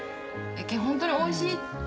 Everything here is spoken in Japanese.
ホントにおいしく。